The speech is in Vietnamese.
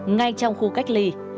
ngay trong khu cách ly